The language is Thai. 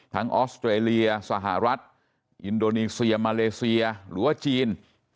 ออสเตรเลียสหรัฐอินโดนีเซียมาเลเซียหรือว่าจีน